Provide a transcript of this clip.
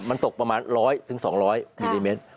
มันตกประมาณ๑๐๐๒๐๐มิลลิเมตร